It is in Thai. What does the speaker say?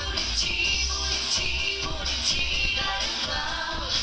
พูดอีกทีพูดอีกทีพูดอีกทีได้หรือเปล่า